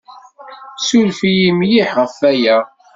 Ssuref-iyi mliḥ ɣef waya.